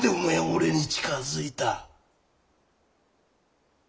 俺に近づいた？